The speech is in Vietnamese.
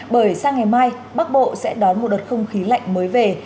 bởi sang ngày mai bắc bộ sẽ đón một đợt không khí lạnh mới về